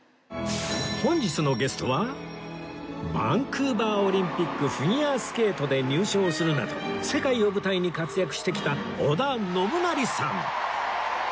本日のゲストはバンクーバーオリンピックフィギュアスケートで入賞するなど世界を舞台に活躍してきた織田信成さん